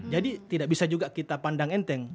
jadi tidak bisa juga kita pandang enteng